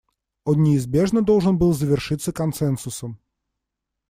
Он неизбежно должен был завершиться консенсусом.